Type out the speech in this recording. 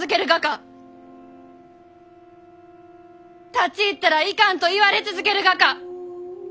「立ち入ったらいかん」と言われ続けるがか？